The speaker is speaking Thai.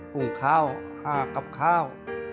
ฝุ่งข้าวห้ากลับข้าว